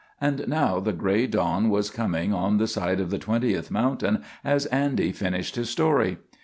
And now the gray dawn was coming on the side of the twentieth mountain as Andy finished his story.